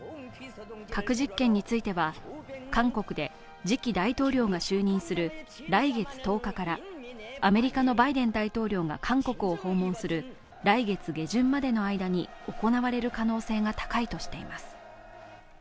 核実験については、韓国で次期大統領が就任する来月１０日からアメリカのバイデン大統領が韓国を訪問する来月下旬までの間に行われる可能性が高いとしています。